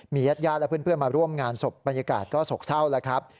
ญาติญาติและเพื่อนมาร่วมงานศพบรรยากาศก็โศกเศร้าแล้วครับ